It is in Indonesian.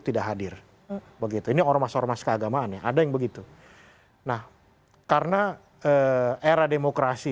tidak hadir begitu ini ormas ormas keagamaan ya ada yang begitu nah karena era demokrasi